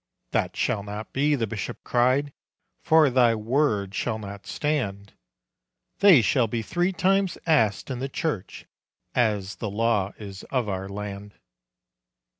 "That shall not be," the bishop cried, "For thy word shall not stand; They shall be three times ask'd in the church, As the law is of our land."